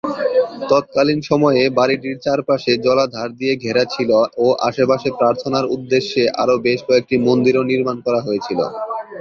তৎকালীন সময়ে বাড়িটির চারপাশে জলাধার দিয়ে ঘেরা ছিলো ও আশেপাশে প্রার্থনার উদ্দেশ্যে আরও বেশ কয়েকটি মন্দিরও নির্মাণ করা হয়েছিলো।